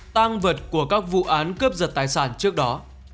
tăng vật của các vụ án cướp giật tài sản trước đó